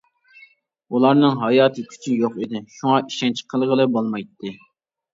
ئۇلارنىڭ ھاياتىي كۈچى يوق ئىدى، شۇڭا ئىشەنچ قىلغىلى بولمايتتى.